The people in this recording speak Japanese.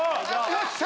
よっしゃ！